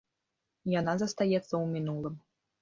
Яна застаецца ў мінулым.